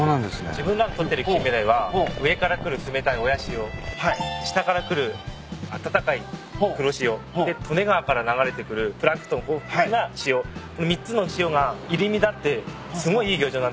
自分らの捕ってるキンメダイは上から来る冷たい親潮下から来る温かい黒潮で利根川から流れてくるプランクトン豊富な潮３つの「潮」が入り乱ってすごいいい漁場なんです。